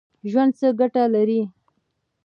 ژوند څه ګټه لري ؟